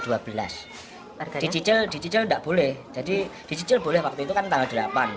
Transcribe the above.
dicicil dicicil tidak boleh jadi dicicil boleh waktu itu kan tanggal delapan